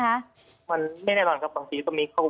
มันไม่แน่นอนครับบางทีต้องมีเข้ากรุงเทพฯก็มีครับ